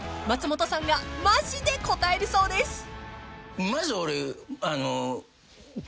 ［松本さんがマジで答えるそうです］